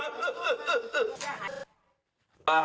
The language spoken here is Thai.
มาคุยกันหน่อย